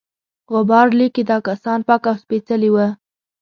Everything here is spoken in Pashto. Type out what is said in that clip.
غبار لیکي دا کسان پاک او سپیڅلي وه.